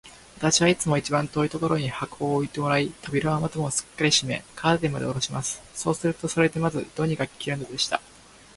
私はいつも一番遠いところに箱を置いてもらい、扉も窓もすっかり閉め、カーテンまでおろします。そうすると、それでまず、どうにか聞けるのでした。